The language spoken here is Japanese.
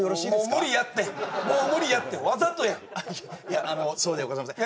もう無理やってもう無理やってわざとやんいやあのそうではございません